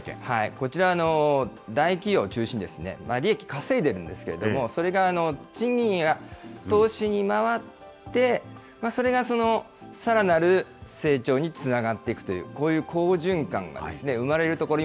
こちら、大企業を中心に、利益稼いでるんですけれども、それが賃金や投資に回って、それがさらなる成長につながっていくという、こういう好循環が生まれると。